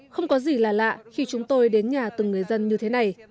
không có gì là lạ khi chúng tôi đến nhà từng người dân như thế này